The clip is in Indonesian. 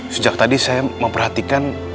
sejak tadi saya memperhatikan